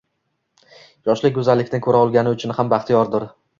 Yoshlik go’zallikni ko’ra olgani uchun ham baxtiyordir.